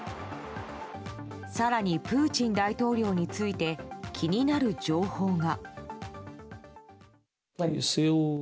更に、プーチン大統領について気になる情報が。